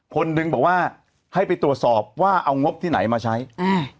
คนหนึ่งบอกว่าให้ไปตรวจสอบว่าเอางบที่ไหนมาใช้อ่า